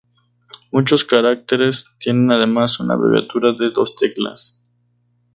Muchos caracteres tienen además una abreviatura de dos teclas.